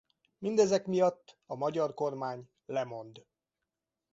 Mindezek miatt a magyar kormány lemond.